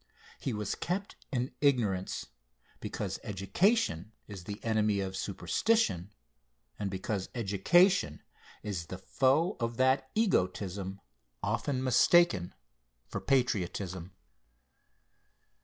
He was kept in ignorance, because education is the enemy of superstition, and because education is the foe of that egotism often mistaken for patriotism.